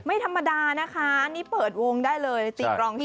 ไม่ธรรมดานะคะนี่เปิดวงได้เลยตีกรองที่